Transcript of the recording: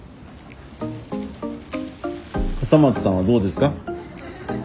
笠松さんはどうですか？